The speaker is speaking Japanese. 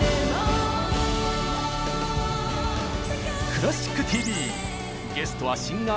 「クラシックＴＶ」